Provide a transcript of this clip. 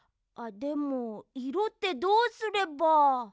あっでもいろってどうすれば。